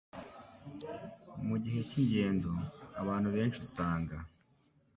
Mu gihe cy’ingendo, abantu benshi usanga